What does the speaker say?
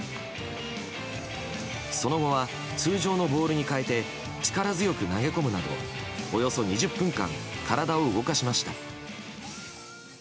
その後は通常のボールに変えて力強く投げ込むなどおよそ２０分間体を動かしました。